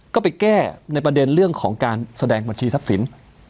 ก็ไปแก้ในประเด็นเรื่องของการแสดงบัญชีทรัพย์สิน